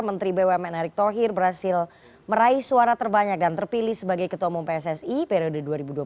menteri bumn erick thohir berhasil meraih suara terbanyak dan terpilih sebagai ketua umum pssi periode dua ribu dua puluh tiga dua ribu dua puluh tujuh